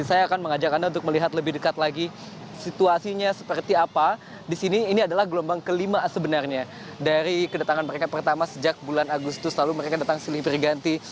jadi saya akan mengajak anda untuk melihat lebih dekat lagi situasinya seperti apa di sini ini adalah gelombang kelima sebenarnya dari kedatangan mereka pertama sejak bulan agustus lalu mereka datang selipir ganti